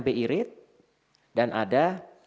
bi rate dan ada